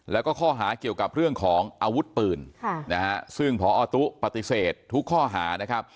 และข้อหาเกี่ยวกับเรื่องของอาวุธปืนซึ่งพอตู้ปฏิเสธทุกข้อหา